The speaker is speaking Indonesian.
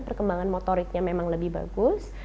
perkembangan motoriknya memang lebih bagus